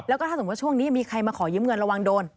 แล้วก็ถ้าสมมุติช่วงนี้มีใครมาขอยืมเงินระวังโดน